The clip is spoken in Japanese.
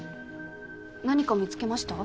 何か見つけました？